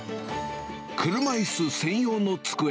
車いす専用の机。